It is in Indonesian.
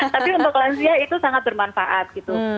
tapi untuk lansia itu sangat bermanfaat gitu